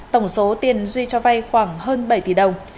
tổng số tiền duy cho vay khoảng hơn bảy tỷ đồng